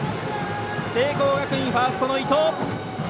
聖光学院、ファーストの伊藤。